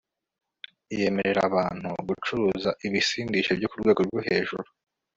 yemerera abantu gucuruza ibisindisha byo ku rwego rwo hejuru